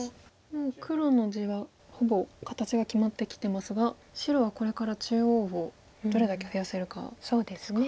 もう黒の地はほぼ形が決まってきてますが白はこれから中央をどれだけ増やせるかですか。